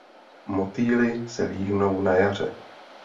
Motýli se líhnou na jaře.